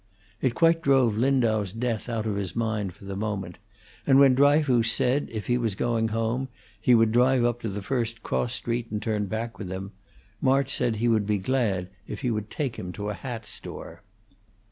It quite drove Lindau's death out of his mind for the moment; and when Dryfoos said if he was going home he would drive up to the first cross street and turn back with him, March said he would be glad if he would take him to a hat store.